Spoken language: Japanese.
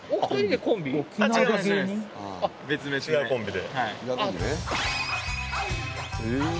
違うコンビで。